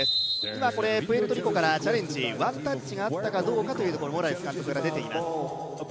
今、プエルトリコからチャレンジ、ワンタッチがあったかどうかというところモラレス監督から出ています。